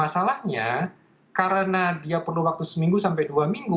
masalahnya karena dia perlu waktu seminggu sampai dua minggu